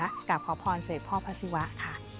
กับขอพรเสด็จพ่อพระศรีวะค่ะ